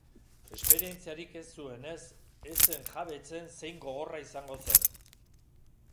Esperientziarik ez zuenez, ez zen jabetzen zein gogorra izango zen.